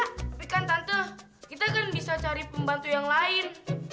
tapi kan tante kita kan bisa cari pembantu yang lain